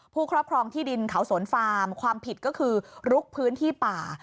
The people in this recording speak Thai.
ครอบครองที่ดินเขาสวนฟาร์มความผิดก็คือลุกพื้นที่ป่า